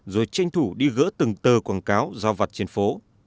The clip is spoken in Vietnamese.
rồi tranh thủ đi gỡ từng tờ quảng cáo giao vặt trên phố